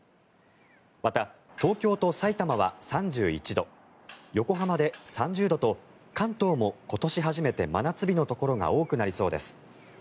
また、東京とさいたまは３１度横浜で３０度と関東も今年初めて真夏日のところが多くなりそうです。